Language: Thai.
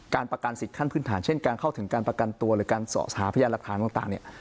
การประกันสิทธิขั้นพื้นฐานเช่นการเข้าถึงการประกันตัวหรือการสอบหาพยานหลักฐานต่างเนี่ย